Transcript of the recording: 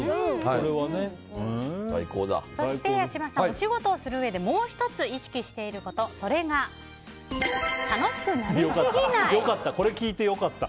そして八嶋さんお仕事をするうえでもう１つ意識していること良かった、これ聞いて良かった。